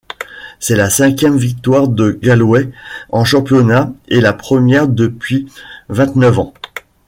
C'est la cinquième victoire de Galway en championnat et la première depuis vingt-neuf ans.